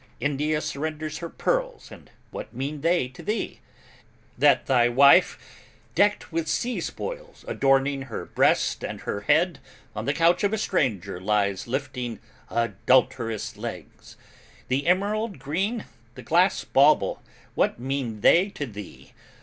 India surrenders her pearls; and what mean they to thee? That thy wife decked with sea spoils adorning her breast and her head On the couch of a stranger lies lifting adulterous legs? The emerald green, the glass bauble, what mean they to thee?